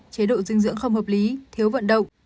chế độ dinh dưỡng không hợp lý thiếu vận động